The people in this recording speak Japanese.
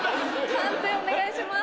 判定お願いします。